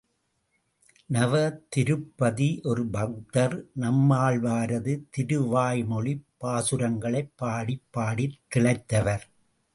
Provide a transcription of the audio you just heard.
நவ திருப்பதி ஒரு பக்தர், நம்மாழ்வாரது திருவாய்மொழிப் பாசுரங்களைப் பாடிப் பாடித் திளைத்தவர்.